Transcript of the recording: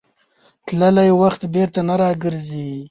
تللی وخت بېرته نه راګرځي.